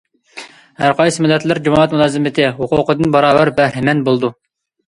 ھەرقايسى مىللەتلەر جامائەت مۇلازىمىتى ھوقۇقىدىن باراۋەر بەھرىمەن بولىدۇ.